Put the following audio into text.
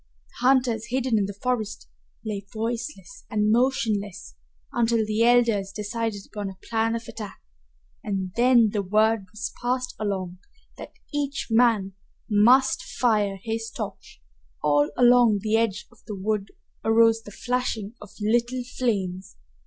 The hunters, hidden in the forest, lay voiceless and motionless until the elders decided upon a plan of attack, and then the word was passed along that each man must fire his torch. All along the edge of the wood arose the flashing of little flames.